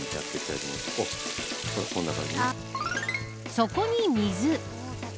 そこに水。